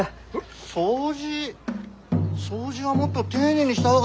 掃除掃除はもっと丁寧にした方がいいな！